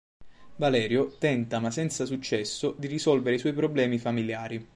Valerio tenta, ma senza successo di risolvere i suoi problemi familiari.